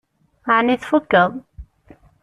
Ɛni tfukkeḍ?